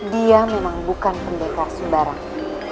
dia memang bukan pendekar sembarang